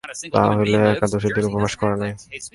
তাহা হইলে একাদশীর দিন উপবাস করে নাই।